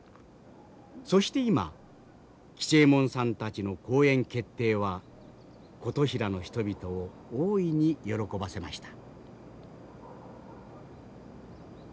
そして今吉右衛門さんたちの公演決定は琴平の人々を大いに喜ばせました。